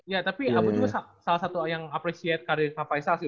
iya tapi kamu juga salah satu yang appreciate karir kapaisa sih